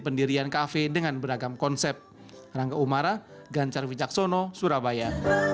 pendirian kafe dengan beragam konsep rangka umara ganjar wijaksono surabaya